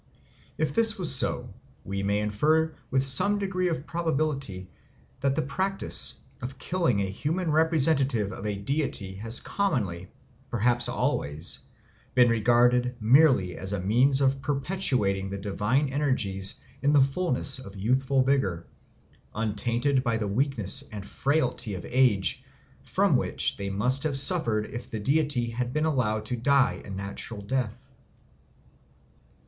If that was so, we may infer with some degree of probability that the practice of killing a human representative of a deity has commonly, perhaps always, been regarded merely as a means of perpetuating the divine energies in the fulness of youthful vigour, untainted by the weakness and frailty of age, from which they must have suffered if the deity had been allowed to die a natural death.